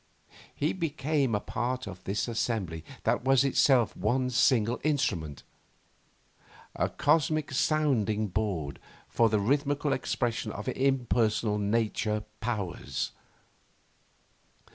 He became a part of this assembly that was itself one single instrument: a cosmic sounding board for the rhythmical expression of impersonal Nature Powers.